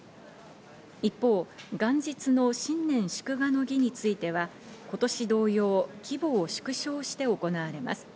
一方、元日の新年祝賀の儀については、今年同様、規模を縮小して行われます。